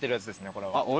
これは。